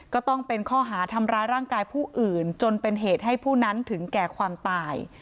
ก็ต้องเป็นข้อหาทำร้ายร่างกายผู้อื่นจนเป็นเหตุให้ผู้นั้นถึงแก่ความตาย